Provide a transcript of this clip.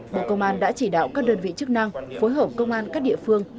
bộ công an đã chỉ đạo các đơn vị chức năng phối hợp công an các địa phương